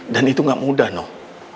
dan itu gak mudah noh